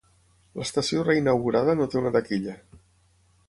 L'estació reinaugurada no té una taquilla.